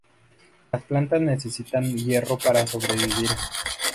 Las plantas necesitan hierro para sobrevivir.